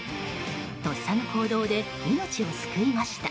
とっさの行動で命を救いました。